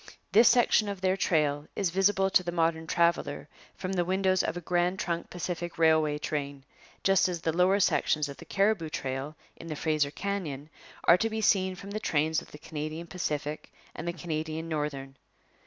This section of their trail is visible to the modern traveller from the windows of a Grand Trunk Pacific Railway train, just as the lower sections of the Cariboo Trail in the Fraser Canyon are to be seen from the trains of the Canadian Pacific and the Canadian Northern.